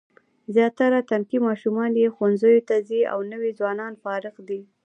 زیاتره تنکي ماشومان یې ښوونځیو ته ځي او نوي ځوانان فارغ دي.